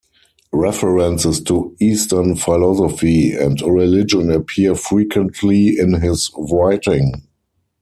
References to Eastern philosophy and religion appear frequently in his writing.